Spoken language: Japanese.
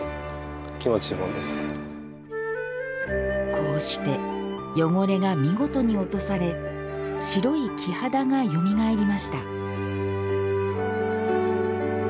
こうして汚れが見事に落とされ白い木肌がよみがえりました。